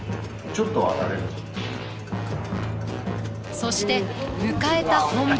そして迎えた本番。